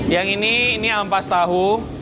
yang ini ini ampas tahu